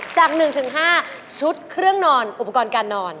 จาก๑๕ชุดเครื่องนอนอุปกรณ์การนอน